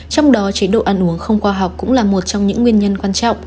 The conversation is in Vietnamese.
trong đó chế độ ăn uống không khoa học cũng là một trong những nguyên nhân quan trọng